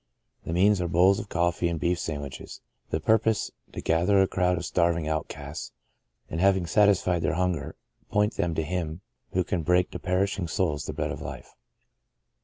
The means are bowls of coffee and beef sand wiches — the purpose, to gather a crowd of starving outcasts, and having satisfied their hunger, point them to Him who can break to perishing souls the Bread of Life.